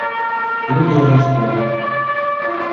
Уто роскот.